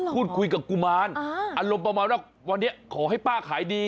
พูดคุยกับกุมารอารมณ์ประมาณว่าวันนี้ขอให้ป้าขายดี